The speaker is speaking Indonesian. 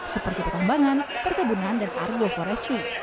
seperti pertumbangan perkebunan dan argo forestry